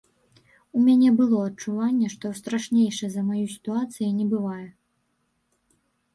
У мяне было адчуванне, што страшнейшай за маю сітуацыі не бывае.